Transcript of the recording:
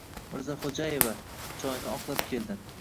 Mirzaxo‘jaeva... choyni oqlab keldi.